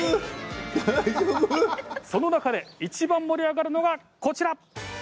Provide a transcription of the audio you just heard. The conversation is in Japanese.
その中でいちばん盛り上がるのが、こちら。